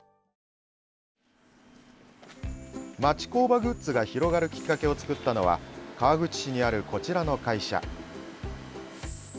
町工場グッズが広がるきっかけを作ったのは川口市にあるこちらの会社。